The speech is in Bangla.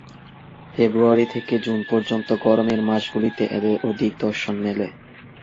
ফেব্রুয়ারি থেকে জুন পর্যন্ত গরমের মাসগুলিতে এদের অধিক দর্শন মেলে।